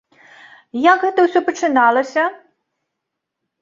Як гэта ўсё пачыналася?